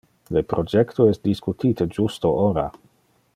Le projecto es discutite justo ora.